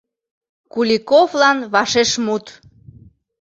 КУЛИКОВЛАН ВАШЕШМУТ